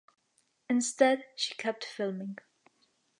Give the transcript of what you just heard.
Instead, she kept filming.